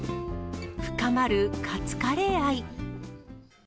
深まるカツカレー愛。